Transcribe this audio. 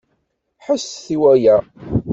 Ḥesset i waya!